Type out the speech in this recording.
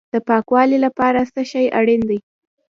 د پاکوالي لپاره څه شی اړین دی؟